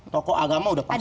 toko agama udah pasti